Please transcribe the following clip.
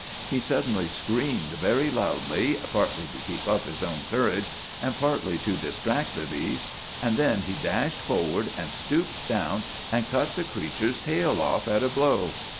He suddenly screamed very loudly, partly to keep up his own courage, and partly to distract the beast, and then he dashed forward, and stooped down and cut the creature's tail off at a blow!